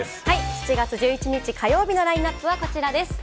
７月１１日、火曜日のラインナップです。